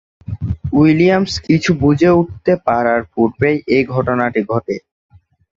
Williams কিছু বুঝে উঠতে পারার পূর্বেই, এই ঘটনাটি ঘটে।